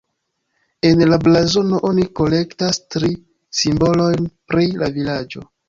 En la blazono oni kolektas tri simbolojn pri la vilaĝo.